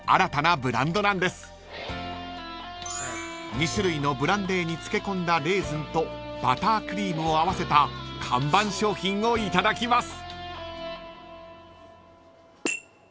［２種類のブランデーに漬け込んだレーズンとバタークリームを合わせた看板商品をいただきます］